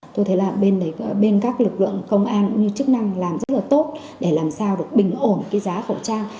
tôi thấy là bên các lực lượng công an cũng như chức năng làm rất là tốt để làm sao được bình ổn cái giá khẩu trang